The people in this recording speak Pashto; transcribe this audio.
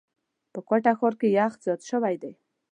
په کوټه ښار کي یخ زیات شوی دی.